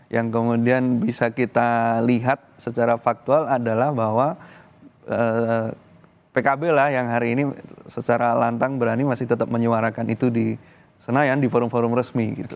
yang kemudian bisa kita lihat secara faktual adalah bahwa pkb lah yang hari ini secara lantang berani masih tetap menyuarakan itu di senayan di forum forum resmi gitu